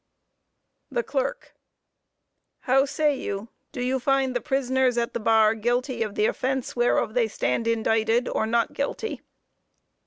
THE CLERK: How say you, do you find the prisoners at the bar guilty of the offense whereof they stand indicted, or not guilty?